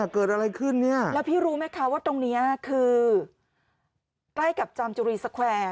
คือใกล้กับจามจุรีสแควร์